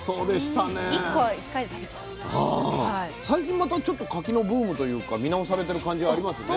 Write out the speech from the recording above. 最近またちょっと柿のブームというか見直されてる感じありますね。